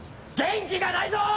元気がないぞ！